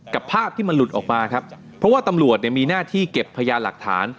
ภาพที่มันหลุดออกมาครับเพราะว่าตำรวจเนี่ยมีหน้าที่เก็บพยานหลักฐาน